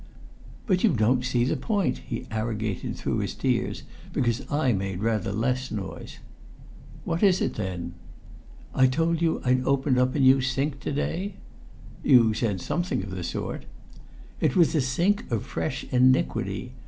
"But you don't see the point!" he arrogated through his tears, because I made rather less noise. "What is it, then?" "I told you I'd opened up a new sink to day?" "You said something of the sort." "It was a sink of fresh iniquity.